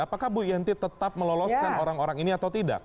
apakah bu yenty tetap meloloskan orang orang ini atau tidak